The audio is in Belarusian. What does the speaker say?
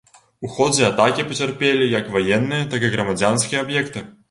У ходзе атакі пацярпелі як ваенныя, так і грамадзянскія аб'екты.